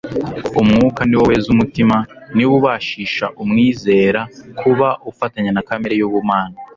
Umwuka ni wo weza umutima; ni wo ubashisha umwizera kuba ufatanya na kamere y'ubumana.